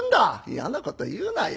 「嫌なこと言うなよ。